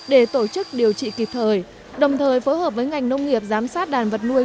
để tổ chức điều trị kịp thời đồng thời phối hợp với ngành nông nghiệp giám sát đàn vật nuôi